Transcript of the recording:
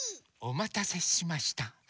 おまたせしました。